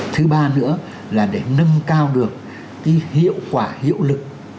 thứ ba nữa là để nâng cao được cái hiệu quả hiệu lực